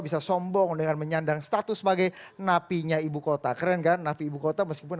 bisa sombong dengan menyandang status sebagai napinya ibu kota keren kan napi ibu kota meskipun